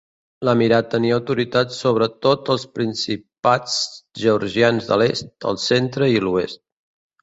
L'emirat tenia autoritat sobretot els principats georgians de l'est, el centre i l'oest.